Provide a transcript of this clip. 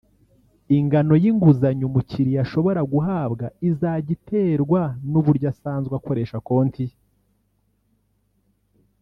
Ingano y’inguzanyo umukiliya ashobora guhabwa izajya iterwa n’uburyo asanzwe akoresha konti ye